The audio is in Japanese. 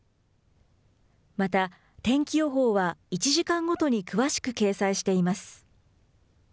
また、天気予報は１時間ごとに詳しく掲載しています。